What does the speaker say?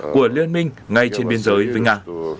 của liên minh ngay trên biên giới với nga